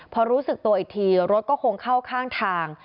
พอรู้สึกตัวอีกทีรถก็คงเข้าข้างทาง